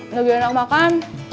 lagi enak makan